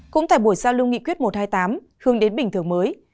cũng tại buổi giao lưu nghị quyết một trăm hai mươi tám hướng đến bình thường mới